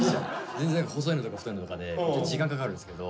全然細いのとか太いのとかでめっちゃ時間かかるんですけど。